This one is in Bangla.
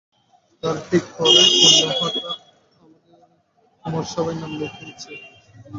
তার ঠিক পরেই পূর্ণ হঠাৎ আমাদের কুমারসভায় নাম লিখিয়েছে।